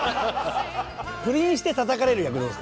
不倫してたたかれる役どうですかね？